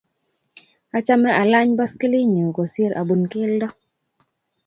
achame alany boskilii nyu kosir abun kelto.